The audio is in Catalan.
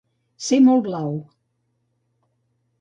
Ser molt blau.